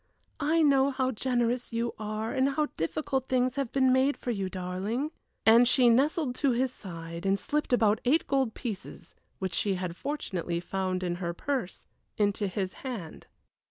I know how generous you are, and how difficult things have been made for you, darling." And she nestled to his side and slipped about eight gold pieces, which she had fortunately found in her purse, into his hand.